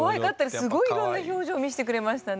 すごいいろんな表情を見せてくれましたね。